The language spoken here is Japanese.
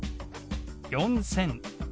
４０００。